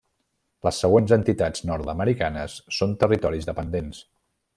Les següents entitats nord-americanes són territoris dependents.